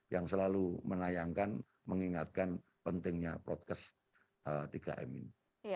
yang selalu menayangkan mengingatkan pentingnya protes tiga m ini